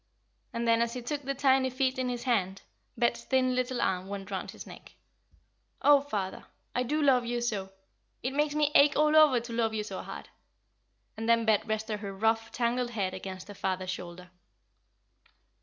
And then, as he took the tiny feet in his hand, Bet's thin little arm went round his neck. "Oh, father, I do love you so. It makes me ache all over to love you so hard;" and then Bet rested her rough, tangled head against her father's shoulder.